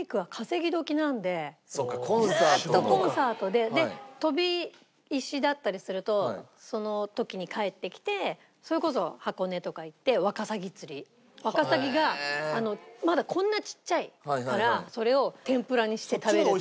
で飛び石だったりするとその時に帰ってきてそれこそワカサギがまだこんなちっちゃいからそれを天ぷらにして食べる。